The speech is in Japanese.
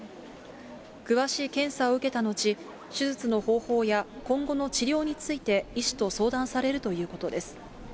詳しい検査を受けた後、手術の方法や、今後の治療について医師と相談されるということです。